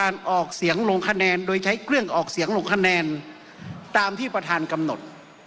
เรื่องออกเสียงลงคะแนนตามที่ประธานกำหนด